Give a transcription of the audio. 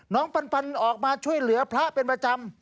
ปันออกมาช่วยเหลือพระเป็นประจำ